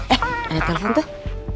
eh ada telepon tuh